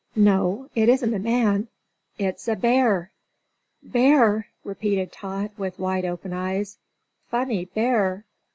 "No, it isn't a man; it's a bear." "Bear!" repeated Tot, with wide open eyes. "Funny bear!"